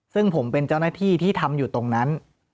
ซึ่งผมเป็นเจ้าหน้าที่ที่ทำอยู่ตรงนั้น